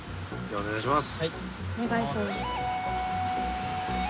お願いします。